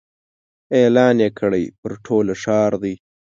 اعلان یې کړی پر ټوله ښار دی